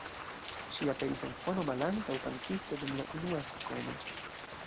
Ŝi aperis en fono malantaŭ kantisto dum la unua sceno.